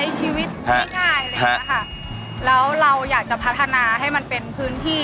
แล้วเราอยากจะพัฒนาให้มันเป็นพื้นที่